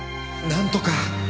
なんとか。